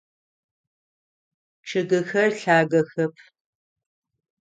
Чъыгыхэр лъагэхэп.